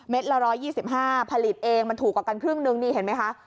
ละ๑๒๕ผลิตเองมันถูกกว่ากันครึ่งนึงนี่เห็นไหมคะ